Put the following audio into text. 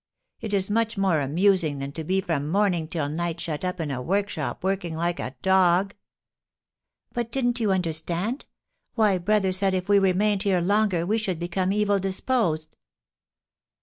It is much more amusing than to be from morning till night shut up in a workshop working like a dog." "But didn't you understand? Why, brother said that if we remained here longer we should become evil disposed."